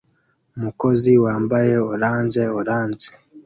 Umukozi wambaye orange orange